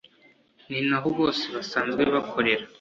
ninaho bose basanzwe bakorera.